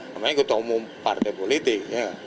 namanya ketua umum partai politik